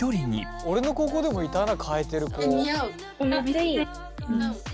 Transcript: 俺の高校でもいたな替えてる子。